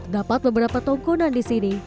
dapat beberapa tongkonan di sini